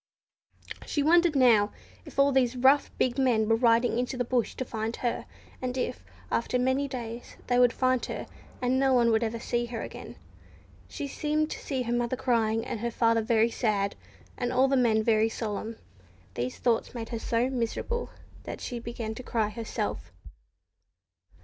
She wondered now if all these rough, big men were riding into the bush to find her, and if, after many days, they would find her, and no one ever see her again. She seemed to see her mother crying, and her father very sad, and all the men very solemn. These thoughts made her so miserable that she began to cry herself.